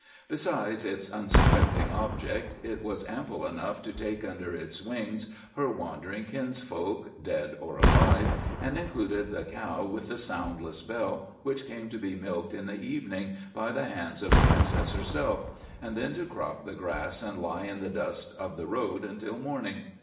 Besides its unsuspecting object, it was ample enough to take under its wings her wandering kinsfolk, dead or alive, and included the cow with the soundless bell which came to be milked in the evening by the hands of the princess herself, and then to crop the grass and lie in the dust of the road until morning.